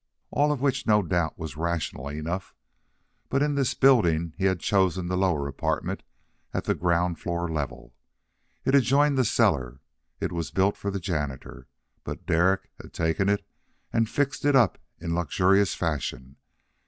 All of which no doubt was rational enough, but in this building he had chosen the lower apartment at the ground floor level. It adjoined the cellar. It was built for the janitor, but Derek had taken it and fixed it up in luxurious fashion.